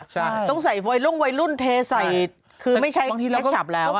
ใช่ต้องใส่วัยรุ่นวัยรุ่นเทใส่คือไม่ใช่รถฉับแล้วอ่ะ